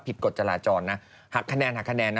ผิดกฎจราจรนะหักคะแนน